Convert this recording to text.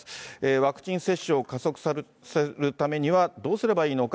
ワクチン接種を加速させるためには、どうすればいいのか。